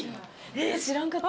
えっ知らんかった。